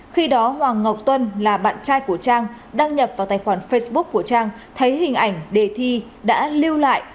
khi đó hoàng ngọc tuân là bạn trai của trang đăng nhập vào tài khoản facebook của trang thấy hình ảnh đề thi đã lưu lại